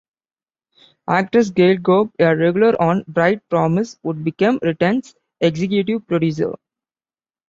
Actress Gail Kobe, a regular on "Bright Promise," would become "Return's" executive producer.